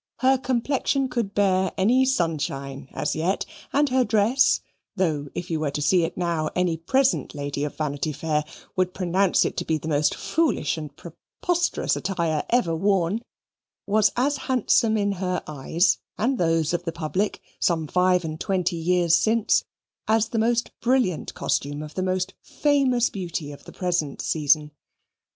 Her complexion could bear any sunshine as yet, and her dress, though if you were to see it now, any present lady of Vanity Fair would pronounce it to be the most foolish and preposterous attire ever worn, was as handsome in her eyes and those of the public, some five and twenty years since, as the most brilliant costume of the most famous beauty of the present season.